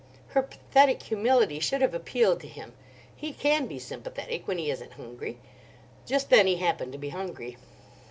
Her pathetic humility should have appealed to him. He can be sympathetic, when he isn't hungry. Just then he happened to be hungry.